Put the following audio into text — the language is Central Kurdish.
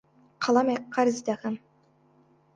قەڵەمێک قەرز دەکەم.